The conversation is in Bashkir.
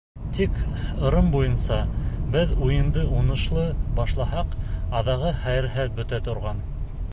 Тик, ырым буйынса, беҙ уйынды уңышлы башлаһаҡ, аҙағы хәйерһеҙ бөтә торған.